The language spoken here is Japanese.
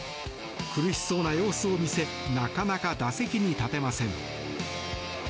苦しそうな様子を見せなかなか打席に立てません。